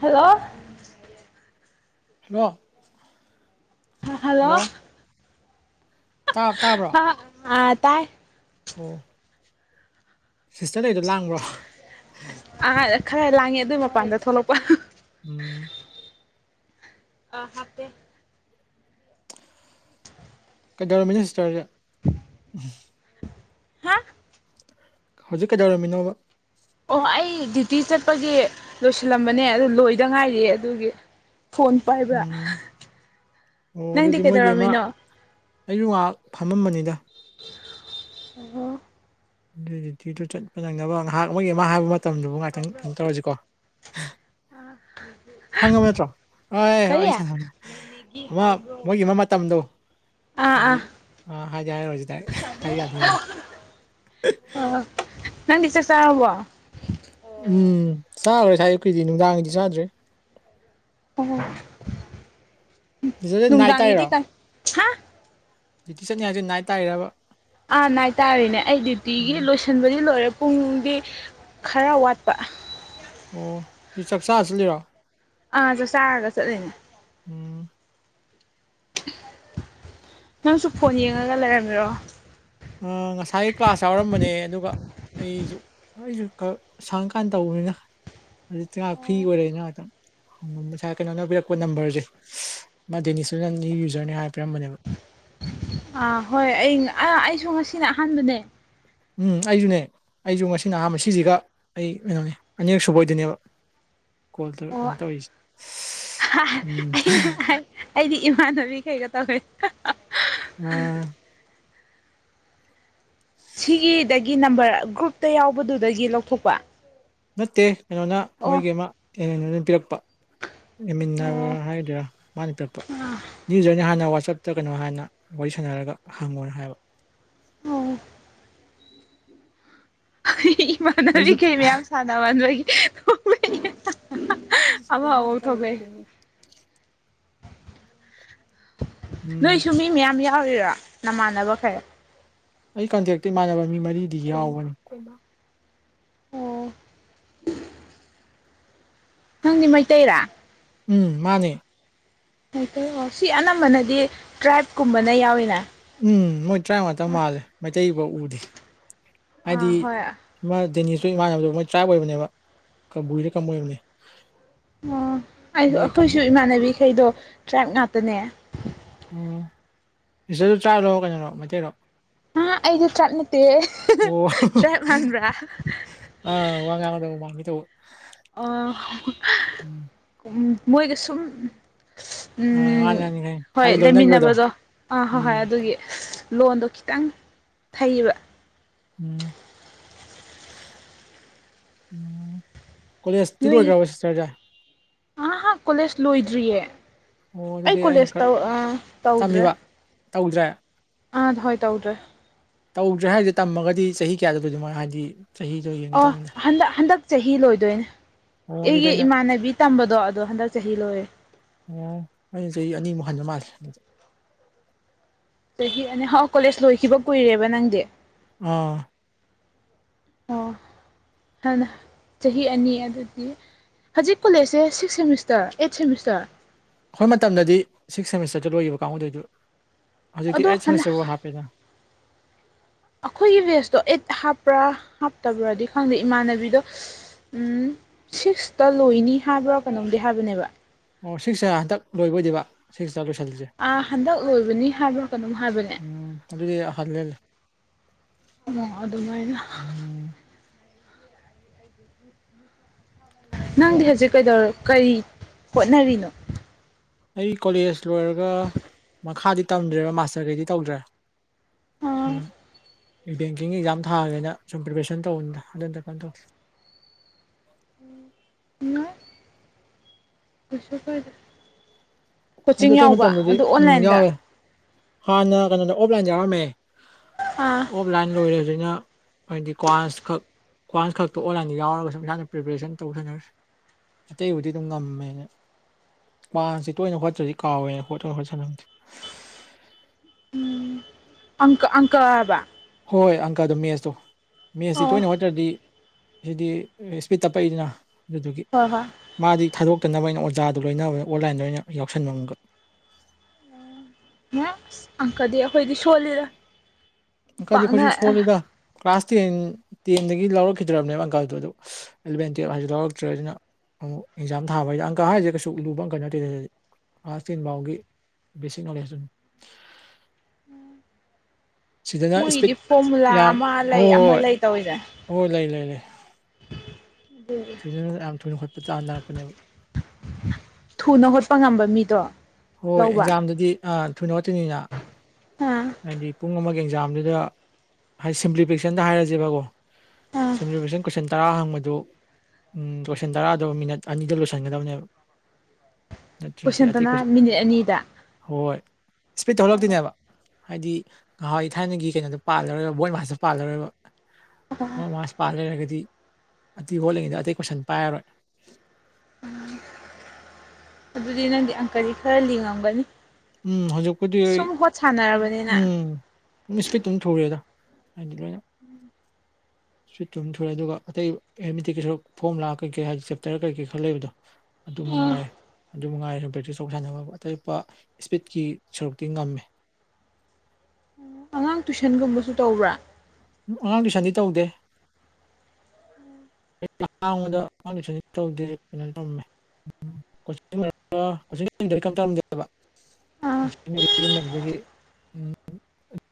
hello hello hello ꯇꯥ ꯇꯥꯕ꯭ꯔꯣ ꯑ ꯑ ꯇꯥꯏ ꯑꯣ ꯁꯤꯁꯇꯔꯗ ꯑꯩꯗꯣ ꯂꯥꯡꯕ꯭ꯔꯣ ꯑ ꯈꯔ ꯂꯥꯡꯉꯦ ꯑꯗꯨꯏ ꯃꯄꯥꯟꯗ ꯊꯣꯛꯂꯛꯄ ꯎꯝ ꯑ ꯍꯥꯞꯦ ꯀꯩꯗꯧꯔꯝꯃꯤꯅꯤ ꯁꯇꯔꯁꯦ ꯎꯝ ꯍꯥ ꯍꯧꯖꯤꯛ ꯀꯩꯗꯧꯔꯝꯃꯤꯅꯣꯕ ꯑꯣ ꯑꯩ ꯗ꯭ꯌꯨꯇꯤ ꯆꯠꯄꯒꯤ ꯂꯣꯏꯁꯤꯜꯂꯝꯕꯅꯦ ꯑꯗꯨ ꯂꯣꯏꯗ ꯉꯥꯏꯔꯤ ꯑꯗꯨꯒꯤ ꯐꯣꯟ ꯄꯥꯏꯕ꯭ꯔ ꯎꯝ ꯑꯣ ꯅꯪꯗꯤ ꯑꯗꯨꯗꯤ ꯃꯣꯏꯒꯤ ꯑꯃ ꯀꯩꯗꯧꯔꯝꯃꯤꯅꯣ ꯑꯩꯁꯨ ꯉꯥꯏꯍꯥꯛ ꯐꯝꯃꯝꯕꯅꯤꯗ ꯑꯗꯨꯒꯣ ꯑꯗꯨꯗꯤꯗ ꯆꯠꯄ ꯅꯪꯅꯕ ꯉꯥꯏꯍꯥꯛ ꯑꯃꯒꯤ ꯑꯃ ꯍꯥꯏꯕ ꯃꯇꯝꯗꯨꯕꯨ ꯉꯥꯏꯥꯛꯇꯪ ꯀꯩꯅꯣ ꯇꯧꯔꯁꯤꯀꯣ [unintelligible] ꯑꯥ ꯈꯪꯉꯕ ꯅꯠꯇ꯭ꯔꯣ ꯑ ꯀꯔꯤ ꯋꯥꯔꯤ ꯑꯥ ꯁ ꯑꯃ ꯃꯣꯏꯒꯤ ꯑꯃ ꯃꯇꯝꯗꯣ ꯍꯥꯏꯗꯤ ꯑꯥ ꯍꯥꯏꯗꯤꯦ ꯍꯥꯏꯔꯨꯔꯁꯤꯗ ꯍꯥꯏꯕ ꯌꯥꯗꯦ ꯑ ꯅꯪꯗꯤꯁ ꯆꯥ ꯍꯕꯣ ꯎꯝ ꯆꯥꯔꯔꯣꯏ ꯁꯥꯏ ꯑꯩꯈꯣꯏꯗꯤ ꯅꯨꯡꯗꯥꯡꯒꯤꯗꯤ ꯆꯥꯗ꯭ꯔꯦ ꯑꯣ ꯁꯤꯁꯇꯔꯁꯦ ꯅꯥꯏꯠ ꯅꯨꯡꯗꯥꯡꯒꯤꯗꯤ ꯀ ꯍꯥ ꯗꯨꯇꯤ ꯆꯠꯅꯤꯡ ꯍꯥꯏꯁꯤ ꯅꯥꯏ ꯇꯥꯏꯔꯕ ꯑꯥ ꯍꯥꯏꯇꯥꯔꯦꯅꯦ ꯑꯩ ꯗ꯭ꯌꯨꯇꯤꯒꯤ ꯎꯝ ꯂꯣꯏꯁꯤꯟꯕꯗꯤ ꯂꯣꯏꯔꯦ ꯄꯨꯡꯗꯤ ꯈꯔ ꯋꯥꯠꯄ ꯑꯣ ꯑꯗꯨ ꯆꯥꯛ ꯆꯥꯔꯁꯤ ꯂꯩꯔꯣ ꯑꯥ ꯆ ꯆꯥꯔꯒ ꯆꯠꯂꯤꯅꯦ ꯎꯝ ꯅꯪꯁꯨ ꯐꯣꯟ ꯌꯦꯡꯉꯒ ꯂꯩꯔꯝꯃꯤꯔꯣ ꯉꯁꯥꯏ ꯀ꯭ꯂꯥꯁ ꯌꯥꯎꯔꯝꯕꯅꯦ ꯑꯗꯨꯒ ꯑꯩꯁꯨ ꯑꯩꯁꯨ ꯁꯪꯀꯥꯟ ꯇꯧꯕꯅꯤꯅ ꯑꯗꯨ ꯇꯉꯥꯛ ꯐ꯭ꯔꯤ ꯑꯣꯏꯔ ꯉꯥꯛꯇꯪ ꯉꯁꯥꯏ ꯀꯩꯅꯣꯅ ꯄꯤꯔꯛꯄ ꯅꯝꯕꯔꯁꯦ ꯃꯥ ꯗꯦꯅꯤꯁꯇ ꯅ ꯅ ꯌꯨꯖꯔꯅꯦ ꯍꯥꯏ ꯄꯤꯔꯝꯕꯅꯦꯕ ꯑꯥ ꯍꯣꯏ ꯑꯩ ꯑꯩꯁꯨ ꯉꯁꯤꯅ ꯑꯍꯥꯟꯕꯅꯦ ꯎꯝ ꯑꯩꯁꯨꯅꯦ ꯑꯩꯁꯨ ꯉꯁꯤ ꯅ ꯑꯍꯥꯟꯕ ꯁꯤꯁꯤꯒ ꯑꯩ ꯀꯩꯅꯣꯅꯦ ꯑꯅꯤꯔ ꯁꯨꯕ ꯑꯣꯏꯗꯣꯏꯅꯦꯕ ꯀꯣꯜ ꯑꯣ ꯀꯩꯅꯣ ꯇꯧꯔꯤꯁꯦ ꯎꯝ ꯑꯩ ꯑꯩꯗꯤ ꯏꯃꯥꯟꯅꯕꯤ ꯀꯩꯒ ꯇꯧꯔꯦ ꯑ ꯁꯤꯒꯤꯗ ꯒꯤ ꯅꯝꯕꯔ ꯒ꯭ꯔꯨꯞꯇ ꯌꯥꯎꯕꯗꯨꯗꯒꯤ ꯂꯧꯊꯣꯛꯄ ꯅꯠꯇꯦ ꯀꯩꯅꯣꯅ ꯑꯣ ꯃꯣꯏꯒꯤ ꯑꯃ ꯑꯦꯅ ꯄꯤꯔꯛꯄ ꯑꯦꯃꯤꯟꯅꯕ ꯑꯣ ꯍꯥꯏꯒꯗ꯭ꯔꯥ ꯃꯥꯅ ꯄꯛꯄ ꯑꯥ ꯅ꯭ꯌꯨꯖꯔꯅꯤ ꯍꯥꯟꯅ ꯋꯥꯆꯞ ꯅ꯭ꯔ ꯀꯩꯅꯣ ꯍꯥꯏꯅ ꯋꯥꯔꯤ ꯁꯥꯟꯅꯔꯒ ꯍꯪꯉꯣꯅ ꯍꯥꯏꯕ ꯑꯣ ꯑꯩꯁꯨ ꯏꯃꯥꯟꯅꯕꯤꯈꯩ ꯃꯌꯥꯝ ꯁꯥꯟꯅꯕꯅꯕꯅꯕꯒꯤ ꯁꯨ ꯀꯣꯃ ꯀꯥꯏꯦꯣ ꯀ ꯎꯝ ꯅꯣꯏꯁꯨ ꯃꯤ ꯃꯌꯥꯝ ꯌꯥꯎꯔꯤꯔꯥ ꯅꯃꯥꯟꯅꯕ ꯈꯔ ꯑꯩ ꯀꯟꯇꯦꯛꯇ ꯏꯃꯥꯟꯅꯕ ꯃꯤ ꯃꯔꯤꯗꯤ ꯌꯥꯎꯕꯅꯤ ꯑꯣ ꯅꯪꯗꯤ ꯃꯩꯇꯩꯔꯥ ꯎꯝ ꯃꯥꯅꯦ ꯃꯩꯇꯩ ꯑꯣ ꯁꯤ ꯑꯅꯝꯕꯅꯗꯤ ꯇ꯭ꯔꯥꯏꯕꯀꯨꯝꯕꯅ ꯌꯥꯎꯋꯤꯅꯥ ꯎꯝ ꯃꯣꯏ ꯇ꯭ꯔꯥꯐ ꯉꯥꯛꯇ ꯃꯥꯜꯂꯦ ꯃꯩꯇꯩꯐꯥꯎ ꯎꯗꯦ ꯍꯥꯏꯗꯤ ꯑꯥ ꯍꯣꯏ ꯑꯣ ꯏꯃꯥ ꯗꯦꯅꯤꯁꯇꯣ ꯏꯃꯥꯟꯅꯕꯗꯣ ꯃꯣꯏ ꯇ꯭ꯔꯥꯏꯞ ꯑꯣꯏꯕꯅꯦꯕ ꯀꯕꯨꯢꯔ ꯀꯩꯅꯣꯝ ꯑꯣꯏꯕꯅꯤ ꯑꯣ ꯑꯩ ꯀꯥꯡꯕꯨ ꯑꯩꯈꯣꯏꯁꯨ ꯏꯃꯥꯟꯅꯕꯤꯈꯩꯗꯣ ꯇ꯭ꯔꯥꯏꯕ ꯉꯥꯛꯇꯅꯦ ꯎꯝ ꯁꯤꯁꯇꯔꯗꯨ ꯇ꯭ꯔꯥꯕꯂꯣ ꯀꯩꯅꯣꯔꯣ ꯃꯩꯇꯩꯔꯣ ꯍꯥ ꯑꯩꯗꯤ ꯇ꯭ꯔꯥꯕ ꯅꯠꯇꯦ ꯑꯣ ꯇ꯭ꯔꯥꯕ ꯃꯥꯟꯕ꯭ꯔꯥ ꯑꯥ ꯋꯥ ꯉꯥꯡꯕꯗ ꯃꯥꯟꯒꯦ ꯇꯧꯕ ꯑꯣ ꯎꯝ [unintelligible] ꯃꯣꯏꯒ ꯁꯨꯝ ꯑꯥ ꯎꯝ ꯃꯥꯅꯤ ꯃꯥꯅꯤ ꯈꯪꯉꯦ ꯍꯣꯏ ꯍꯥꯏꯗꯤ ꯂꯣꯏꯅꯈꯤꯕꯗꯣ ꯂꯩꯃꯤꯟꯅꯕꯗꯣ ꯑꯥ ꯍꯣꯏ ꯍꯣꯏ ꯎꯝ ꯑꯗꯨꯒꯤ ꯂꯣꯟꯗꯣ ꯈꯤꯇꯪ ꯊꯩꯕ ꯎꯝ ꯎꯝ ꯀꯣꯂꯦꯖꯇꯤ ꯂꯣꯏꯒ꯭ꯔꯕ ꯁꯤꯁꯇꯔꯖꯦ ꯑꯥ ꯍꯥ ꯀꯣꯂꯦꯖ ꯂꯣꯏꯗ꯭ꯔꯤꯌꯦ ꯑꯣ ꯑꯩ ꯑꯗꯨꯗꯤ ꯑꯩꯅ ꯀꯣꯂꯦꯖ ꯈꯔ ꯇꯧ ꯇꯧꯗ꯭ꯔꯦ ꯇꯝꯃꯤꯕ ꯇꯧꯗ꯭ꯔꯦ ꯑꯥ ꯍꯣꯏ ꯇꯧꯗ꯭ꯔꯦ ꯇꯧꯗ꯭ꯔꯦ ꯍꯥꯏꯁꯦ ꯇꯝꯃꯒꯗꯤ ꯆꯍꯤ ꯀꯌꯥꯗ ꯂꯣꯢꯗꯣꯢꯅꯣ ꯑꯗꯨꯃꯥꯏ ꯍꯥꯏꯗꯤ ꯆꯍꯤ [unintelligible] ꯑꯥ ꯍꯟꯗꯛ ꯍꯟꯗꯛ ꯆꯍꯤ ꯂꯣꯏꯗꯣꯏꯅꯤ ꯑꯣ ꯑꯗꯨꯗꯤ ꯑꯩꯒꯤ ꯑꯩꯅ ꯏꯃꯥꯟꯅꯕꯤ ꯇꯝꯕꯗꯣ ꯑꯗꯣ ꯍꯟꯗꯛ ꯆꯍꯤ ꯂꯣꯏꯔꯦ ꯑꯣ ꯑꯩꯅ ꯆꯍꯤ ꯑꯅꯤꯃꯨꯛ ꯍꯟꯕ ꯃꯥꯂꯤ ꯆꯍꯤ ꯑꯅꯤꯍꯥꯎ ꯀꯣꯂꯦꯖ ꯂꯣꯏꯈꯤꯕ ꯀꯨꯏꯔꯦꯕ ꯅꯪꯗꯤ ꯑꯥ ꯑꯣ ꯍꯥꯟꯅ ꯆꯍꯤ ꯑꯅꯤ ꯑꯗꯨꯗꯤ ꯍꯧꯖꯤꯛ ꯀꯣꯂꯦꯖꯁꯦ ꯁꯤꯛꯁ ꯁꯦꯃꯤꯁꯇꯔ ꯑꯩꯠ ꯁꯦꯃꯤꯁꯇꯔ ꯑꯩꯈꯣꯏ ꯃꯇꯝꯗꯗꯤ ꯁꯤꯛꯁ ꯁꯦꯃꯤꯁꯇꯔꯗ ꯂꯣꯏꯈꯤꯕ ꯀꯥꯡꯕꯨꯗꯨ ꯑꯣꯢꯗꯣꯢꯕ ꯍꯧꯖꯤꯛꯇꯤ ꯑꯗꯣ ꯑꯩꯠ ꯍꯥꯟꯅ ꯁꯦꯃꯤꯁꯇꯔꯐꯥꯎ ꯍꯥꯞꯄꯦꯗꯅ ꯑꯩꯈꯣꯏꯒꯤ ꯕꯦꯁꯇꯣ ꯑꯦꯠ ꯍꯥꯞꯄ꯭ꯔꯥ ꯍꯥꯞꯇꯕ꯭ꯔꯗꯤ ꯈꯪꯗꯦ ꯏꯃꯥꯟꯅꯕꯤꯗꯣ ꯎ ꯁꯤꯛꯁꯇ ꯂꯣꯏꯅꯤ ꯍꯥꯏꯕ꯭ꯔꯥ ꯀꯩꯅꯣꯝꯗꯤ ꯍꯥꯏꯕꯅꯦꯕ ꯑꯣ ꯁꯤꯛꯁꯦ ꯍꯟꯗꯛ ꯂꯣꯏꯕ ꯑꯣꯏꯗꯣꯢꯕ ꯁꯤꯛꯁ ꯇꯥ ꯂꯣꯏꯁꯤꯜꯂꯤꯁꯦ ꯑꯥ ꯍꯟꯗꯛ ꯂꯣꯏꯕꯅꯤ ꯍꯥꯏꯕ꯭ꯔꯥ ꯀꯩꯅꯣꯝ ꯍꯥꯏꯕꯅꯦ ꯎꯝ ꯑꯗꯨꯗꯤ ꯍꯜꯂꯦꯅꯦ ꯑꯣ ꯑꯗꯨꯃꯥꯏꯅ ꯎꯝ ꯅꯪꯗꯤ ꯍꯧꯖꯤꯛ ꯀꯩꯗꯧ ꯀꯔꯤ ꯍꯣꯠꯅꯔꯤꯅꯣ ꯑꯩ ꯀꯣꯂꯦꯖ ꯂꯣꯏꯔꯒ ꯃꯈꯥꯗꯤ ꯇꯝꯗ꯭ꯔꯦꯕ ꯃꯥꯁꯇꯔꯈꯩꯗꯤ ꯇꯧꯗ꯭ꯔꯦ ꯑꯥ ꯁꯨꯝ ꯕꯦꯡꯀꯤꯡ ꯑꯦꯛꯖꯥꯝ ꯊꯥꯔꯒꯦꯅ ꯁꯨꯝ ꯄ꯭ꯔꯤꯄꯦꯔꯦꯁꯟ ꯇꯧꯕꯅꯤꯗ ꯑꯗꯨ ꯅꯠꯇ ꯀꯩꯝ ꯇꯧꯗꯦ [unintelligible] ꯀꯩꯁꯨ ꯀꯥꯢꯗꯦ ꯑꯩꯁꯨ ꯀꯣꯆꯤꯡ ꯑꯇꯩ ꯌꯥꯎꯕ ꯃꯇꯝꯗꯗꯤ ꯑꯗꯨ ꯎꯝ ꯑꯣꯟꯂꯥꯏꯟꯗ ꯌꯥꯎꯋꯦ ꯍꯥꯟꯅ ꯀꯩꯅꯣꯗ ꯑꯣꯞꯂꯥꯏꯟꯗ ꯌꯥꯎꯔꯝꯃꯦ ꯍꯥ ꯑꯣꯞꯂꯥꯏꯟ ꯂꯣꯏꯔꯦ ꯍꯧꯖꯤꯛꯅ ꯍꯥꯏꯗꯤ ꯀ꯭ꯋꯥꯁ ꯈꯛ ꯀ꯭ꯋꯥꯥꯁ ꯈꯛꯇ ꯑꯣꯟꯂꯟꯗ ꯌꯥꯎꯔꯒꯁꯨ ꯏꯁꯅ ꯄ꯭ꯔꯤꯄꯦꯔꯦꯁꯟ ꯇꯧ ꯁꯥꯅꯔꯦ ꯑꯇꯩꯕꯨꯗꯤ ꯑꯗꯨꯝ ꯉꯝꯃꯦ [unintelligible] ꯇꯣꯏꯅ ꯍꯣꯠꯠꯇ꯭ꯔꯗꯤ ꯀꯥꯎꯋꯦꯅ ꯍꯣꯠꯇꯣꯏꯅ ꯍꯣꯠ ꯁꯥꯅꯕꯅꯤ ꯑꯪꯀ ꯑꯪꯀꯑꯕꯥ ꯍꯣꯏ ꯑꯪꯀꯗꯣ ꯃꯦꯠꯁꯇꯣ ꯃꯦꯠꯁꯇꯤ ꯑꯣ ꯇꯣꯏꯅ ꯍꯣꯠꯇ꯭ꯔꯗꯤ ꯁꯤꯗꯤ ꯏꯁꯄꯤꯠ ꯇꯞꯄꯛꯏꯗꯅ ꯑꯗꯨꯗꯨꯒꯤ ꯍꯣꯏ ꯍꯣꯏ ꯃꯥꯗꯤ ꯊꯥꯗꯣꯛꯇꯅꯕ ꯑꯩꯅ ꯑꯣꯖꯥꯗꯨꯣ ꯂꯣꯏꯅꯕ ꯑꯣꯟꯂꯥꯏꯟꯗ ꯑꯣꯏꯅ ꯌꯥꯎꯁꯟꯕꯒ [unintelligible] ꯑꯪꯀꯗꯤ ꯑꯩꯈꯣꯏꯗꯤ ꯁꯣꯜꯂꯤꯗ ꯑꯪꯀꯜꯗꯤ ꯄꯥꯛꯅ ꯑꯩꯈꯣꯏꯁꯨ ꯁꯣꯜꯂꯤꯗ ꯀ꯭ꯂꯥꯁ ꯇꯦꯟ ꯇꯦꯟꯗꯒꯤ ꯂꯧꯔꯛꯈꯤꯗ꯭ꯔꯕꯅꯦꯕ ꯑꯪꯀꯜꯗꯨ ꯑꯗꯨ ꯑꯦꯂꯚꯦꯟ ꯇꯨꯌꯦꯜꯞ ꯍꯥꯏꯁꯦ ꯂꯧꯔꯛꯇ꯭ꯔꯦ ꯑꯗꯨꯅ ꯑꯃꯨꯛ ꯑꯦꯛꯖꯥꯝ ꯊꯥꯕ ꯍꯥꯏꯗꯤ ꯑꯪꯀ ꯍꯥꯏꯔꯤꯁꯦ ꯀꯩꯁꯨ ꯂꯨꯕ ꯑꯪꯀ ꯅꯠꯇꯦꯗꯤ ꯑ ꯇꯤꯟ ꯐꯥꯎꯒꯤ ꯕꯦꯁꯤꯛ ꯅꯣꯂꯦꯖ ꯗꯨꯅꯤ ꯁꯤꯗꯅ ꯏꯁꯄꯤꯠ ꯃꯣꯏꯒꯤꯗꯤ ꯐꯣꯔꯃꯨꯂꯥ ꯑꯃ ꯂꯩ ꯑꯃ ꯂꯩ ꯇꯧꯔꯤꯁꯦ ꯑꯣ ꯂꯩ ꯂꯩ ꯂꯩ ꯁꯤꯅ ꯌꯥꯝ ꯊꯨꯅ ꯇꯥꯥꯟꯅꯔꯛꯄꯅꯦꯕ ꯊꯨꯅ ꯍꯣꯠꯄ ꯉꯝꯕ ꯃꯤꯗꯣ ꯍꯣꯏ ꯂꯧꯕ ꯑꯦꯛꯖꯥꯝꯗꯗꯤ ꯑ ꯊꯣꯏꯅ ꯍꯠꯇꯣꯏꯅꯤꯅ ꯑꯥ ꯍꯥꯏꯗꯤ ꯄꯨꯡ ꯑꯃꯒꯤ ꯑꯦꯛꯖꯥꯝꯗꯨꯗ ꯍꯥꯏꯗꯤ ꯁꯤꯝꯄ꯭ꯂꯤꯐꯤꯀꯦꯁꯟꯗ ꯍꯥꯏꯔꯁꯦꯕꯀꯣ ꯑꯥ [unintelligible] ꯇꯔꯥ ꯍꯪꯕꯗꯨ ꯂꯣꯏꯁꯤꯟ ꯇꯔꯥꯗ ꯃꯤꯅꯠ ꯑꯅꯤꯗ ꯂꯣꯏꯁꯤꯟꯒꯗꯕꯅꯦꯕ ꯅꯠꯇ꯭ꯔꯗꯤ ꯑꯇꯩ ꯀꯣꯏꯁꯟꯇꯅ ꯀꯁꯨ ꯃꯤꯅꯤꯠ ꯑꯅꯤꯗ ꯍꯣꯏ ꯏꯁꯄꯤꯠ ꯇꯧꯍꯜꯂꯛꯇꯣꯏꯅꯦꯕ ꯍꯥꯏꯗꯤ ꯉꯍꯋꯥ ꯊꯥꯏꯅꯒꯤ ꯀꯩꯅꯣꯗꯣ ꯄꯥꯜꯂꯔꯣꯏꯕ ꯕꯣꯏꯠ ꯃꯥꯥꯁꯇꯣ ꯄꯥꯜꯂꯔꯣꯏꯕ ꯑꯣ ꯕꯣꯏ ꯃꯥꯥꯁ ꯄꯥ ꯂꯩꯔꯒꯗꯤ ꯑꯇꯩ ꯍꯣꯜꯂꯤꯉꯩꯗ ꯑꯇꯩ ꯀꯣꯏꯁꯟ ꯄꯥꯏꯔꯔꯣꯏ ꯎꯝ ꯑꯗꯨꯗꯤ ꯅꯪꯗꯤ ꯑꯪꯀꯔꯤ ꯈꯔ ꯂꯤꯡꯉꯝꯒꯅꯤ ꯎꯝ ꯍꯧꯖꯤꯛꯄꯨꯗꯤ ꯁꯨꯝ ꯍꯣꯠ ꯁꯥꯟꯅꯔꯕꯅꯤꯅ ꯎꯝ ꯏꯁꯄꯤꯠꯇ ꯑꯗꯨꯝ ꯊꯧꯔꯦꯗ ꯍꯥꯏꯗꯤ ꯁꯨꯠꯇꯨꯝ ꯊꯨꯔꯦ ꯑꯗꯨꯒ ꯑꯇꯩ ꯑꯇꯤ ꯀꯩ ꯁꯔ ꯐꯣꯝ ꯂꯥꯛ ꯀꯩꯀꯩ ꯍꯥꯏꯗꯤ ꯆꯦꯞꯇꯔ ꯀꯩꯀꯩ ꯈꯜꯂꯦꯕꯗꯣ ꯑꯗꯨ ꯃꯉꯥꯏꯔꯦ ꯑꯗꯨ ꯃꯅꯨꯡꯉꯥꯏꯔꯦ ꯕ꯭ꯔꯦꯛꯇꯤꯁ ꯇꯧ ꯁꯥꯟꯅꯕ ꯑꯇꯣꯞꯄ ꯏꯁꯄꯤꯠꯀꯤ ꯁꯔꯨꯛꯇꯤ ꯉꯝꯃꯦ ꯑꯉꯥꯡ ꯇꯨꯏꯁꯟꯒꯨꯝꯕꯁꯨ ꯇꯧꯕ꯭ꯔꯥ ꯎꯝ ꯑꯉꯥꯡ ꯇꯨꯏꯁꯟꯗꯤ ꯇꯧꯗꯦ ꯑꯩ ꯍꯥꯡꯕꯗ ꯇꯧꯗꯦ ꯀꯩꯅꯣ ꯇꯝꯃꯦ [unintelligible] ꯎꯝ [unintelligible] ꯗꯒꯤ ꯎꯝ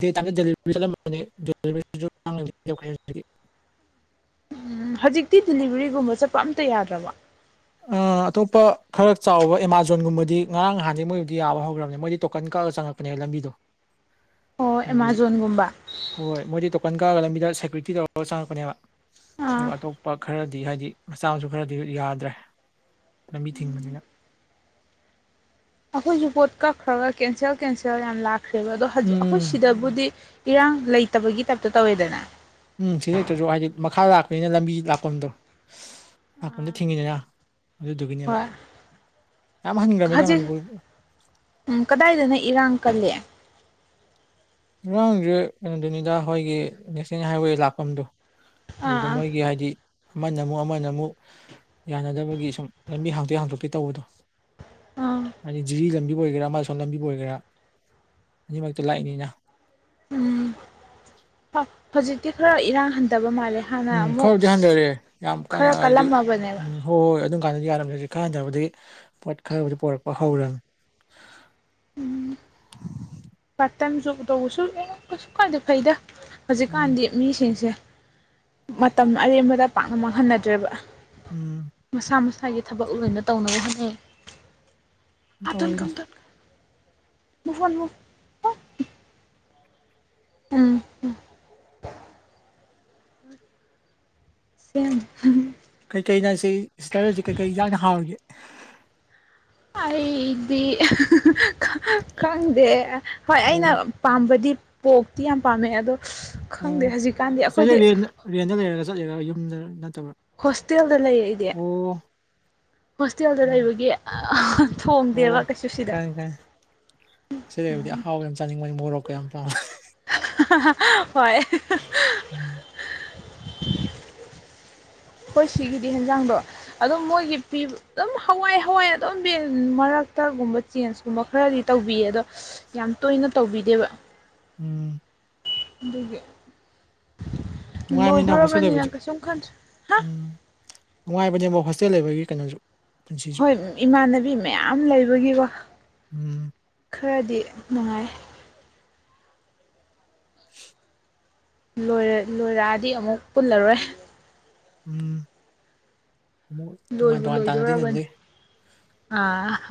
ꯗꯦꯇꯥꯏꯃꯗ ꯗꯦꯂꯤꯕꯔꯤ ꯆꯠꯂꯝꯕꯅꯤ ꯗꯦꯂꯤꯗꯔꯤꯁꯨ ꯇꯥꯡ ꯂꯩꯗꯅꯤꯅ ꯇꫭꯛꯈꯔꯦ ꯍꯧꯖꯤꯛꯇꯤ ꯎꯝ ꯍꯧꯖꯤꯛꯇꯤ ꯗꯤꯂꯤꯚꯔꯤꯒꯨꯝꯕ ꯆꯠꯄ ꯑꯝꯇ ꯌꯥꯗ꯭ꯔꯕ ꯑꯥ ꯑꯇꯣꯞꯄ ꯈꯔ ꯆꯥꯎꯕ ꯑꯦꯃꯥꯖꯣꯟꯒꯨꯝꯕꯗꯤ ꯉꯔꯥꯡ ꯍꯥꯟꯗꯤ ꯃꯣꯏꯕꯨꯗꯤ ꯌꯥꯕ ꯍꯧꯈ꯭ꯔꯕꯅꯤ ꯃꯣꯏꯗꯤ ꯇꯣꯀꯟ ꯀꯛꯑꯒ ꯆꯪꯉꯛꯄ ꯄꯥꯅꯦ ꯂꯝꯕꯤꯗꫭ ꯑꯣ ꯑꯦꯃꯥꯖꯣꯟꯒꯨꯝꯕ ꯍꯣꯏ ꯃꯣꯏꯗꯤ ꯇꯣꯀꯟ ꯀꯥꯔꯒ ꯂꯝꯕꯤꯗ ꯁꯦꯀ꯭ꯌꯨꯔꯤꯇꯤ ꯇꯧꯔꯒ ꯆꯪꯉꯛꯄꯅꯦꯕ ꯑꯥ ꯑꯗꯨꯒ ꯑꯇꯣꯞꯄ ꯄ ꯈꯔꯗꯤ ꯍꯥꯏꯗꯤ ꯃꯆꯥ ꯃꯁꯨ ꯈꯔꯗꯤ ꯌꯥꯗ꯭ꯔꯦ ꯂꯝꯕꯤ ꯊꯤꯡꯕꯅꯤꯅ ꯑꯩꯈꯣꯏꯁꯨ ꯄꯣꯠ ꯀꯛꯈ꯭ꯔꯒ ꯀꯦꯟꯁꯦꯜ ꯀꯦꯟꯁꯦꯜ ꯌꯥꯝ ꯂꯥꯛꯈ꯭ꯔꯦꯕ ꯑꯗꯣ ꯍꯧꯖꯤꯛ ꯑꯩꯈꯣꯏ ꯎꯝ ꯁꯤꯗꯕꯨꯗꯤ ꯏꯔꯥꯡ ꯂꯩꯇꯕꯒꯤ ꯇꯥꯏꯞꯇ ꯇꯧꯋꯦꯗꯅ ꯎꯝ ꯁꯤꯗ ꯂꯩꯇ꯭ꯔꯁꯨ ꯍꯥꯏꯗꯤ ꯃꯈꯥ ꯂꯥꯛꯄꯅꯤꯅ ꯂꯝꯕꯤ ꯂꯥꯛꯐꯝꯗꯣ ꯂꯥꯛꯐꯝꯗꯣ ꯑꯥ ꯊꯤꯡꯉꯤꯗꯅ ꯑꯗꯨꯗꯨꯒꯤꯅꯦꯕ ꯍꯣꯏ ꯌꯥꯝ ꯍꯟꯈ꯭ꯔꯃꯤꯗ ꯃꯅꯤꯄꯨꯔ ꯎꯝ ꯀꯗꯥꯏꯗꯅ ꯏꯔꯥꯡ ꯀꯜꯂꯦ ꯏꯔꯥꯡꯁꯦ ꯀꯩꯅꯣꯗꯨꯅꯤꯗ ꯑꯩꯈꯣꯏꯒꯤ ꯅꯦꯁꯅꯦꯜ ꯍꯥꯏꯋꯦ ꯂꯥꯛꯐꯝꯗꯣ ꯑꯗꯨꯗ ꯑꯥ ꯃꯣꯏꯒꯤ ꯍꯥꯏꯗꯤ ꯑꯃꯅ ꯑꯃꯨꯛ ꯑꯃꯅ ꯑꯃꯨꯛ ꯌꯥꯅꯗꯕꯒꯤ ꯁꯨꯝ ꯂꯝꯕꯤ ꯍꯥꯡꯇꯣꯛꯑ ꯍꯥꯡꯇꯣꯛꯇꯦ ꯇꯧꯕꯗꯣ ꯑꯥ ꯍꯥꯏꯗꯤ ꯖꯤꯔꯤ ꯂꯝꯕꯤꯕꯨ ꯑꯣꯏꯒꯦꯔꯥ ꯃꯥꯁꯣꯟ ꯂꯝꯕꯤꯕꯨ ꯑꯣꯏꯒꯦꯔꯥ ꯑꯅꯤꯃꯛꯇ ꯂꯥꯛꯏꯅꯤꯅ ꯎꯝ ꯍ ꯍꯧꯖꯤꯛꯇꯤ ꯈꯔ ꯏꯔꯥꯡ ꯍꯟꯊꯕ ꯃꯥꯜꯂꯦ ꯍꯥꯟꯅ ꯎꯝ ꯑꯃꯨꯛ ꯈꯔꯗꯤ ꯍꯟꯊꯔꯑꯦ ꯌꯥꯝ ꯀꯥꯟꯅ ꯈꯔ ꯍꯥꯏꯗꯤ ꯀꯜꯂꯝꯃꯕꯅꯦꯕ ꯎꯝ ꯍꯣꯏ ꯍꯣꯏ ꯑꯗꯨꯝ ꯀꯥꯟꯗ ꯌꯥꯔꯝꯗꯦ ꯍꯧꯖꯤꯛ ꯈꯔ ꯍꯟꯊꯕꯗꯤ ꯄꯣꯠ ꯈꯔꯕꯨꯗꯤ ꯄꯨꯔꯛꯄ ꯍꯧꯔꯝ ꯎꯝ ꯄꯥꯔꯠ ꯇꯥꯏꯝ ꯖꯣꯕ ꯇꯧꯕꯁꯨꯉ ꯀꯩꯁꯨ ꯀꯥꯟꯗꯤ ꯐꯩꯗ ꯎꯝ ꯍꯧꯖꯤꯛꯀꯥꯟꯗꯤ ꯃꯤꯁꯤꯡꯁꯦ ꯃꯇꯝ ꯑꯔꯦꯝꯕꯗ ꯄꯥꯛꯅ ꯃꯥꯡꯍꯟꯅꯗ꯭ꯔꯦꯕ ꯎꯝ ꯃꯁꯥ ꯃꯁꯥꯒꯤ ꯊꯕꯛ ꯂꯣꯏꯅ ꯇꯧꯅꯕ ꯍꯣꯠꯅꯩ ꯇꯧꯔꯦꯗ ꯃ ꯐꯣꯟ ꯃꯨ ꯎꯝ ꯁꯦꯝ ꯀꯩꯀꯩꯅ ꯁꯤ ꯁꯤꯇꯔꯁꯤ ꯀꯩꯀꯩ ꯌꯥꯝꯅ ꯍꯥꯎꯔꯤꯒꯦ ꯑꯩꯗꯤ ꯈꯪꯗꯦ ꯍꯣꯏ ꯑꯩꯅ ꯑꯣ ꯄꯥꯝꯕꯗꯤ ꯄꯣꯛꯇꯤ ꯌꯥꯝ ꯄꯥꯝꯃꯦ ꯑꯗꯣ ꯈꯪꯗꯦ ꯑꯣ ꯍꯧꯖꯤꯛꯀꯥꯟꯗꯤ ꯁꯤꯁꯇꯔꯁꯦ ꯑꯩꯈꯣꯏꯗꯤ ꯔꯦꯟ ꯔꯦꯟꯗ ꯂꯩꯔꯒ ꯆꯠꯂꯤꯔꯥꯕ ꯌꯨꯝꯗ ꯅꯠꯇꯕ ꯍꯣꯁꯇꯦꯜꯗ ꯂꯩꯔ ꯑꯩꯗꯤ ꯍꯣꯁꯇꯦꯜꯗ ꯑꯥ, ꯂꯩꯕꯒꯤ ꯑꯣ ꯊꯣꯡꯗꯦꯕ ꯀꯩꯁꯨ ꯁꯤꯗ ꯁꯤ ꯂꯩꯕꯗꯤ ꯑꯍꯥꯎꯕ ꯌꯥꯝ ꯆꯥꯅꯤꯡꯕꯅꯤ ꯃꯣꯔꯣꯛꯀ ꯌꯥꯝ ꯄꯥꯃꯦ ꯍꯣꯏ ꯎꯝ ꯍꯈꯣꯏ ꯁꯤꯒꯤꯗꯤ ꯍꯟꯖꯥꯡꯗꯣ ꯑꯗꯨꯝ ꯃꯣꯏꯒꯤ ꯄꯤꯕ ꯑꯗꯨꯝ ꯍꯋꯥꯏ ꯍꯋꯥꯏ ꯑꯗꯨꯝ ꯄꯤ ꯃꯔꯛꯇꯛꯒꯨꯝꯕ ꯆꯦꯟꯖꯀꯨꯝꯕ ꯈꯔꯗꯤ ꯇꯧꯕꯤꯌꯦ ꯑꯗꯣ ꯌꯥꯝ ꯇꯣꯏꯅ ꯇꯧꯕꯤꯗꯦꯕ ꯎꯝ ꯑꯗꯨꯒꯤ ꯅꯨꯡꯉꯥꯏꯕꯅꯤꯗ ꯍꯣꯁꯇꯦꯜ ꯂꯣꯏꯗꯣꯔꯕꯅꯤꯅ ꯂꯩꯕꯁꯨ ꯀꯩꯁꯨꯝ ꯈꯟꯗꯦ ꯎꯝ ꯅꯨꯡꯉꯥꯏꯕꯅꯦꯕ ꯍꯣꯁꯇꯦꯜ ꯂꯩꯕꯒꯤ ꯀꯩꯅꯣꯁꯨ ꯄꯨꯟꯁꯤꯁꯨ ꯍꯣꯏ ꯏꯃꯥꯟꯅꯕꯤ ꯃꯌꯥꯝ ꯂꯩꯕꯒꯤꯀꯣ ꯎꯝ ꯈꯔꯗꯤ ꯅꯨꯡꯉꯥꯏ [unintelligible] ꯂꯣꯏꯔꯦ ꯂꯣꯏꯔꯛꯑꯗꯤ ꯑꯃꯨꯛ ꯄꯨꯜꯂꯔꯣꯏ ꯎꯝ ꯑꯃꯨꯛ ꯇꯣꯉꯥꯟ ꯇꯣꯉꯥꯟ ꯇꯥꯟꯅꯗꯤꯅ ꯑꯗꯨꯗꯤ ꯑ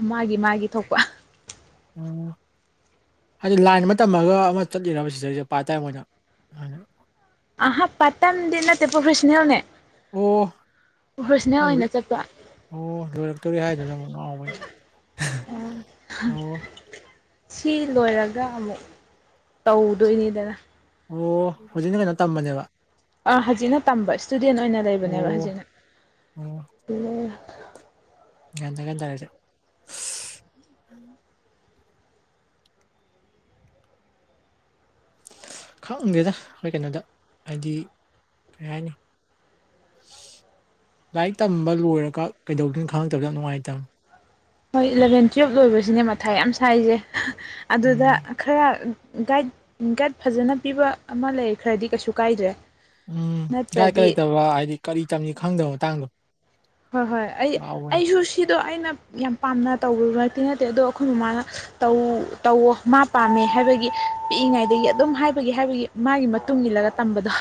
ꯃꯥꯒꯤ ꯃꯥꯒꯤ ꯊꯣꯛꯄ ꯎ ꯍꯥꯏꯗꯤ ꯂꯥꯏꯟ ꯑꯃ ꯇꯝꯃꯒ ꯑꯃ ꯆꯠꯂꯤꯔꯕ ꯁꯤꯗꯩꯁꯤꯦ ꯄꯥ ꯇꯥꯏ ꯃꯣꯏꯗ ꯑꯗꯨꯅ ꯑꯍ ꯄꯇꯝꯗꯤ ꯅꯠꯇꯦ ꯄ꯭ꯔꯣꯐꯦꯁꯅꯦꯜꯅꯦ ꯑꯣ ꯄ꯭ꯔꯣꯐꯔꯁꯅꯦꯜ ꯑꯣꯏꯅ ꯆꯠꯄ ꯑꯣ ꯂꯣꯏꯔꯛꯇꯔꯤ ꯍꯥꯏꯗꯨꯁꯨ ꯑꯃꯨꯛ ꯉꯥꯎꯕꯩ ꯑꯣ ꯁꯤ ꯂꯣꯏꯔꯒ ꯑꯃꯨꯛ ꯇꯧꯗꯣꯏꯅꯤꯗꯅ ꯑꯣ ꯍꯧꯖꯤꯛꯅ ꯀꯩꯅꯣ ꯇꯝꯕꯅꯦꯕ ꯑꯥ ꯍꯧꯖꯤꯛꯅ ꯇꯝꯕ ꯏꯁꯇꯨꯗꯦꯟ ꯑꯣꯏꯅ ꯂꯩꯕꯅꯦꯕ ꯑꯣ ꯍꯧꯖꯤꯛꯅ ꯗꯒꯗꯦ ꯈꯪꯗꯦꯗ ꯑꯩꯈꯣꯏ ꯀꯩꯅꯣꯗ ꯍꯥꯏꯗꯤ ꯀꯩ ꯍꯥꯏꯅꯤ ꯂꯥꯏꯔꯤꯛ ꯇꯝꯕ ꯂꯣꯏꯔꯒ ꯀꯩꯗꯧꯗꯣꯏꯣ ꯈꯪꯉꯛꯇꯕꯗ ꯌꯥꯝ ꯅꯨꯡꯉꯥꯏꯇꯕ ꯍꯣꯏ ꯏꯂꯚꯦꯟ ꯇꯨꯌꯦꯦꯜꯕ ꯂꯣꯏꯕꯁꯤꯅꯦ ꯃꯊꯥꯏ ꯌꯥꯝ ꯁꯥꯏꯁꯦ ꯑꯗꯨꯗ ꯎꯝ ꯈꯔ ꯒꯥꯏꯗ ꯒꯥꯏꯗ ꯐꯖꯅ ꯄꯤꯕ ꯑꯃ ꯂꯩ ꯈꯔꯗꯤ ꯀꯩꯁꯨ ꯀꯥꯏꯗ꯭ꯔꯦ ꯎꯝ ꯒꯥꯏꯀ ꯅꯠꯇ꯭ꯔꯗꯤ ꯂꯩꯇꯕ ꯍꯥꯏꯗꯤ ꯀꯔꯤ ꯆꯝꯅꯤ ꯈꯪꯗꯕ ꯃꯇꯥꯡꯗꯣ ꯍꯣꯏ ꯍꯣꯏ ꯑꯩ ꯉꯥꯎꯕꯅꯤ ꯑꯩꯁꯨ ꯁꯤꯗꯣ ꯑꯩꯅ ꯌꯥꯝ ꯄꯥꯝꯅ ꯇꯧꯕ ꯅꯛꯇꯤ ꯅꯠꯇꯦ ꯑꯗꯣ ꯑꯩꯈꯣꯏ ꯃꯃꯥꯅ ꯧ ꯇꯧꯋꯣ ꯃꯥ ꯄꯥꯝꯃꯦ ꯍꯥꯏꯕꯒꯤ ꯄꯤꯛꯏꯉꯩꯗꯒꯤ ꯑꯗꯨꯝ ꯍꯥꯏꯕꯒꯤ ꯍꯥꯏꯕꯒꯤ ꯃꯥꯒꯤ ꯃꯇꯨꯡ ꯏꯜꯂꯒ ꯇꯝꯕꯗꯣ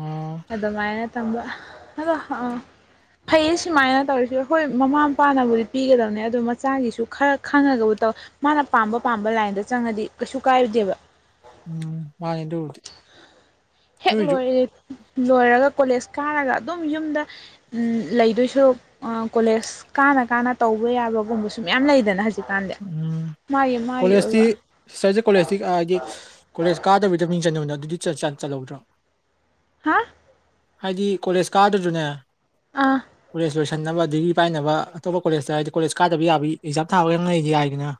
ꯑ ꯑꯗꯨꯃꯥꯏꯅ ꯇꯝꯕ ꯑꯗꯣ ꯐꯩꯌꯦ ꯁꯨꯃꯥꯏꯅ ꯇꯧꯔꯤꯁ ꯍꯣꯏ ꯃꯃꯥ ꯃꯄꯥꯅꯕꯨꯗꯤ ꯄꯤꯒꯗꯕꯅꯦ ꯑꯗꯨ ꯃꯆꯥꯒꯤꯁꯨ ꯈꯔ ꯈꯪꯉꯒꯕꯨ ꯇꯧꯋꯤ ꯃꯥꯅ ꯄꯥꯝꯕ ꯄꯥꯝꯕ ꯂꯥꯏꯟꯗ ꯆꯪꯉꯗꯤ ꯀꯩꯁꯨ ꯀꯥꯏꯔꯨꯗꯦꯕ ꯎꯝ ꯃꯥꯅꯦꯗꯨꯗꯤ ꯍꯦꯛ ꯇꯁꯨꯣ ꯂꯣꯏꯔꯦ ꯂꯣꯏꯔꯒ ꯀꯣꯂꯦꯖ ꯀꯥꯔꯒ ꯑꯗꯨꯝ ꯌꯨꯝꯗ ꯂꯩꯗꯣꯏꯁꯨꯔ ꯀꯣꯂꯦꯖ ꯀꯥꯟꯅ ꯀꯥꯟꯅ ꯇꯧꯕ ꯌꯥꯕꯒꯨꯝꯕꯁꯨ ꯃꯌꯥꯝ ꯂꯩꯗꯅ ꯍꯧꯖꯤꯛ ꯍꯧꯖꯤꯛꯀꯥꯟꯗ ꯎꯝ ꯃꯥꯒꯤ ꯃꯥꯒꯤ ꯀꯣꯂꯦꯖꯇꯤ ꯑꯣꯏꯕ ꯁꯤꯁꯇꯔꯁꯦ ꯀꯣꯂꯦꯖꯇꯤ ꯍꯥꯏꯗꯤ ꯀꯣꯂꯦꯖ ꯀꯥꯗꯕꯤꯩꯗ ꯃꯤꯡ ꯆꯟꯕꯗꯣ ꯑꯗꯨꯗꯤ ꯆꯜꯍꯧꯗ꯭ꯔꯣ [inaudible] [inaudible] ꯍꯥ ꯍꯥꯏꯗꯤ ꯀꯣꯂꯦꯖ ꯀꯥꯗꯔꯖꯨꯅꯦ ꯑꯥ ꯀꯣꯂꯦꯖ ꯂꯣꯏꯁꯤꯟꯅꯕ ꯗꯤꯒ꯭ꯔꯤ ꯄꯥꯏꯅꯕ ꯑꯇꯣꯞꯄ ꯀꯂꯦꯖꯇ ꯍꯥꯏꯗꯤ ꯀꯣꯂꯦꯖ ꯀꯥꯗꯕ ꯌꯥꯕꯤ ꯑꯦꯛꯖꯥꯛ ꯊꯥꯕ ꯈꯪꯅ ꯌꯥꯏꯗꯅ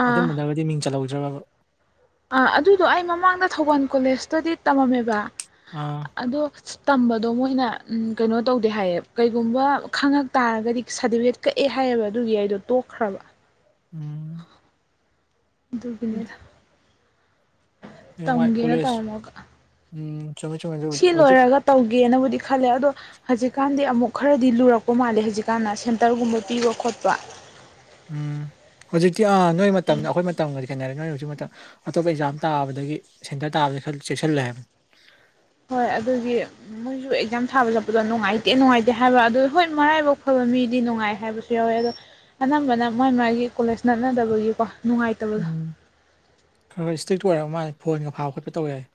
ꯑꯥ ꯑꯗꯨꯝꯕꯗꯒꯗꯤ ꯃꯤꯡ ꯆꯜꯍꯧꯗ꯭ꯔꯕ ꯑ ꯑꯗꯨꯗꯣ ꯑꯩ ꯃꯃꯥꯡꯗ ꯊꯧꯕꯥꯜ ꯀꯣꯂꯦꯖꯇꯗꯤ ꯇꯝꯃꯝꯃꯦꯕ ꯑꯥ ꯑꯗꯣ ꯇꯝꯕꯗꯣ ꯃꯣꯏꯅ ꯀꯩꯅꯣ ꯇꯧꯗꯦ ꯍꯥꯏꯌꯦꯕ ꯀꯩꯒꯨꯝꯕ ꯈꯪꯉꯛ ꯇꯥꯔꯒꯗꯤ ꯁꯥꯔꯇꯤꯐꯤꯀꯦꯠ ꯀꯛꯑꯦ ꯍꯥꯏꯌꯦꯕ ꯑꯗꯨꯒꯤ ꯑꯩꯗꯣ ꯇꯣꯛꯈ꯭ꯔꯕ ꯎꯝ ꯍꯣꯏꯗ ꯑꯗꯨꯒꯤꯅꯦꯗ ꯍꯌꯦꯡꯋꯥꯏ ꯇꯝꯒꯦꯅ ꯀꯣꯂꯦꯖ ꯇꯧꯔꯝꯃꯒ ꯆꯨꯝꯃꯦ ꯆꯨꯝꯃꯦ ꯑꯗꯨꯕꯨꯗꯤ ꯁꯤ ꯍꯧꯖꯤꯛ ꯂꯣꯏꯔꯒ ꯇꯧꯒꯦꯅꯕꯨꯗꯤ ꯈꯜꯂꯦ ꯑꯗꯣ ꯍꯧꯖꯤꯛꯀꯥꯟꯗꯤ ꯑꯃꯨꯛ ꯈꯔꯗꯤ ꯂꯨꯔꯛꯄ ꯃꯥꯜꯂꯦ ꯍꯧꯖꯤꯛꯀꯥꯟꯅ ꯁꯦꯟꯇꯔꯒꯨꯝꯕ ꯄꯤꯕ ꯈꯣꯠꯄ ꯎꯝ ꯍꯧꯖꯤꯛꯇꯤ ꯑ ꯅꯣꯏ ꯑꯗꯨꯝ ꯃꯇꯝꯗ ꯑꯩꯈꯣꯏ ꯇꯝꯒꯗꯤ ꯈꯦꯅꯔꯦ ꯅꯣꯏꯅ ꯍꯧꯖꯤꯛ ꯃꯇꯝ ꯑꯇꯣꯞꯄ ꯑꯦꯛꯖꯥꯝ ꯇꯥꯕꯗꯒꯤ ꯁꯦꯟꯇꯔ ꯇꯥꯕꯗ ꯈꯔ ꯆꯦꯛꯁꯤꯜꯂꯦ ꯍꯥꯏꯕ ꯍꯣꯏ ꯑꯗꯨꯒꯤ ꯃꯣꯏꯁꯨ ꯑꯦꯛꯖꯥꯝ ꯊꯥꯕ ꯆꯠꯄꯗꯣ ꯅꯨꯡꯉꯥꯏꯇꯦ ꯅꯨꯡꯉꯥꯏꯇꯦ ꯍꯥꯏꯕ ꯑꯗꯨ ꯍꯣꯏ ꯃꯔꯥꯏꯕꯥꯛ ꯐꯕ ꯃꯤꯗꯤ ꯅꯨꯡꯉꯥꯏ ꯍꯥꯏꯕꯁꯨ ꯌꯥꯎꯋꯦ ꯑꯗꯣ ꯑꯅꯝꯕꯅ ꯃꯥꯏ ꯃꯥꯒꯤ ꯀꯣꯂꯦꯖ ꯅꯠꯅꯗꯕꯒꯤꯀꯣ ꯅꯨꯡꯉꯥꯏꯇꯕꯗꯣ ꯎꯝ ꯈꯔ ꯈꯔ ꯏꯁꯇ꯭ꯔꯤꯛ ꯑꯣꯏꯔ ꯃꯥꯜ ꯐꯣꯟꯒ ꯐꯥꯕ ꯈꯣꯠꯄ ꯇꯧꯋ ꯍꯥꯏ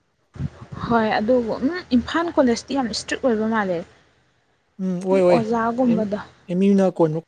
ꯍꯣꯏ ꯑꯗꯨꯕꯨ ꯎꯝ ꯏꯝꯐꯥꯜ ꯀꯣꯂꯦꯖꯇꯤ ꯌꯥꯝ ꯏꯁꯇ꯭ꯔꯤꯛ ꯑꯣꯏꯕ ꯃꯥꯜꯂꯦ ꯑꯣꯖꯥꯒꯨꯝꯕꯗ ꯑꯦꯃꯤꯅ ꯀꯣꯟꯅꯨꯡ